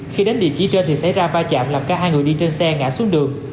khi đến địa chỉ trên thì xảy ra va chạm làm cả hai người đi trên xe ngã xuống đường